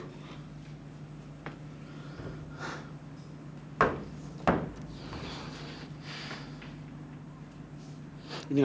aku mau pergi